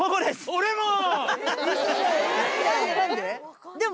俺も！